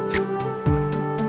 sampai jumpa lagi